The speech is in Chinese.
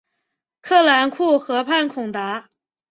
特兰库河畔孔达。